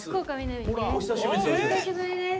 お久しぶりです。